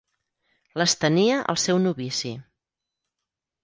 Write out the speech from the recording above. Les tenia el seu novici.